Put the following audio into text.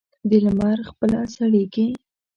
د لمر خپله سړېږي.